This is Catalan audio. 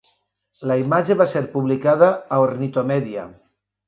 La imatge va ser publicada a Ornithomedia.